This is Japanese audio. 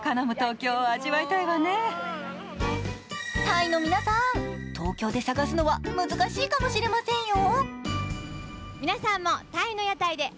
タイの皆さん、東京で探すのは難しいのかもしれませんよ。